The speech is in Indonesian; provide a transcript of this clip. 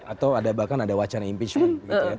atau bahkan ada wacana impeachment